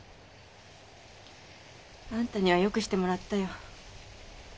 あんたにはよくしてもらったよ。